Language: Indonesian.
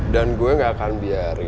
dan gue gak akan biarin